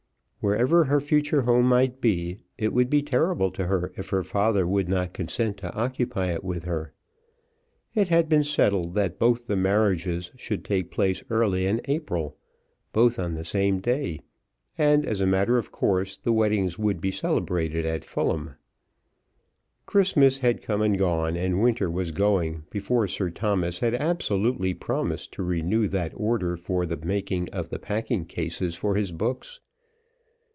Wherever her future home might be, it would be terrible to her if her father would not consent to occupy it with her. It had been settled that both the marriages should take place early in April, both on the same day, and, as a matter of course, the weddings would be celebrated at Fulham. Christmas had come and gone, and winter was going, before Sir Thomas had absolutely promised to renew that order for the making of the packing cases for his books.